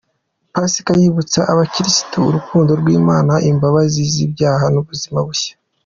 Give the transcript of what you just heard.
Pasika yibutsa abakirisitu urukundo rw’Imana, Imbabazi z’ibyaha n’ubuzima bushya.